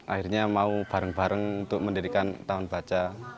akhirnya mau bareng bareng untuk mendirikan taman baca